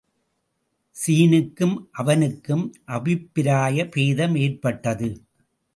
ஸீனுக்கும் அவனுக்கும் அபிப்பிராய பேதமேற்பட்டது.